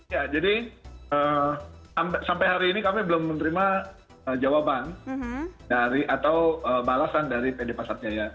ya jadi sampai hari ini kami belum menerima jawaban dari atau balasan dari pd pasar jaya